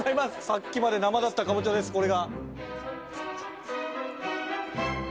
さっきまで生だったカボチャですこれが。